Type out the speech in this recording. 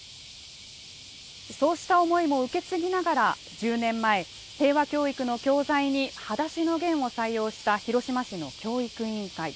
そうした思いも受け継ぎながら１０年前、平和教育の教材に「はだしのゲン」を採用した広島市の教育委員会。